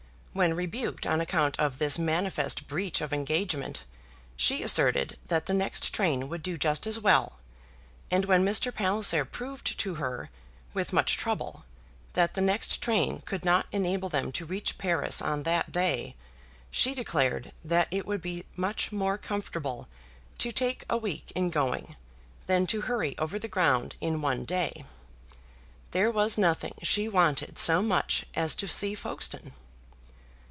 When rebuked on account of this manifest breach of engagement, she asserted that the next train would do just as well; and when Mr. Palliser proved to her, with much trouble, that the next train could not enable them to reach Paris on that day, she declared that it would be much more comfortable to take a week in going than to hurry over the ground in one day. There was nothing she wanted so much as to see Folkestone.